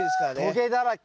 とげだらけ。